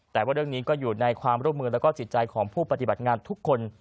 แต่ว่าเรื่องนี้ก็อยู่ในความร่วมมือแล้วก็จิตใจของผู้ปฏิบัติงานทุกคน